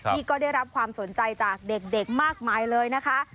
นี่ก็ได้รับความสนใจจากเด็กมากมายเลยนะคะ